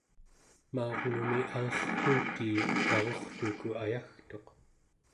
maurlumi alerquutii narurrluku ayagtuq